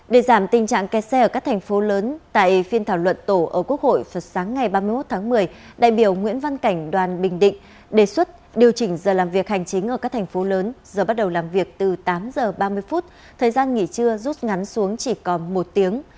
để giảm tình trạng kẹt xe ở các thành phố lớn tại phiên thảo luận tổ ở quốc hội phật sáng ngày ba mươi một tháng một mươi đại biểu nguyễn văn cảnh đoàn bình định đề xuất điều chỉnh giờ làm việc hành chính ở các thành phố lớn giờ bắt đầu làm việc từ tám giờ ba mươi phút thời gian nghỉ trưa rút ngắn xuống chỉ còn một tiếng